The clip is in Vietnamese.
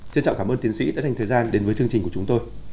xin chào cảm ơn tiến sĩ đã dành thời gian đến với chương trình của chúng tôi